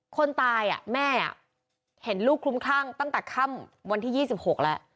คนตายแม่เห็นลูกคลุ้มคลั่งตั้งแต่ค่ำวันที่๒๖แล้ว